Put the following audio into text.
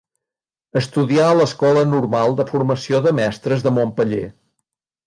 Estudià a l’Escola Normal de Formació de Mestres de Montpeller.